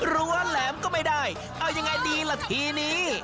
รั้วแหลมก็ไม่ได้เอายังไงดีล่ะทีนี้